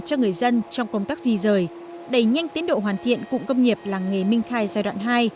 cho người dân trong công tác di rời đẩy nhanh tiến độ hoàn thiện cụng công nghiệp làng nghề minh khai giai đoạn hai